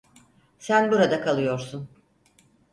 Sen burada kalıyorsun.